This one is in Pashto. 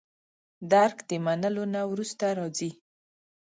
درک د منلو نه وروسته راځي.